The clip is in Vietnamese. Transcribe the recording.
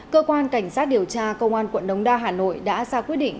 cơ quan cảnh sát điều tra công an quận đống đa hà nội đã ra quyết định